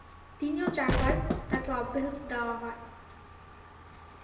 তিনি ও চারবার তাকে অব্যহতি দেয়া হয়।